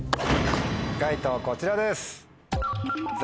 解答こちらです。